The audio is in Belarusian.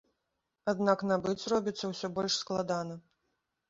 Аднак набыць робіцца ўсё больш складана.